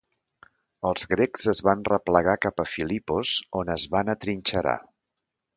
Els grecs es van replegar cap a Filipos, on es van atrinxerar.